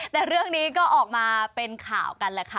แต่เรื่องนี้ก็ออกมาเป็นข่าวกันแหละค่ะ